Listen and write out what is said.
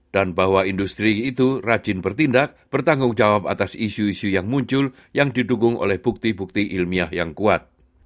dan bahwa industri itu rajin bertindak bertanggung jawab atas isu isu yang muncul yang didukung oleh bukti bukti ilmiah yang kuat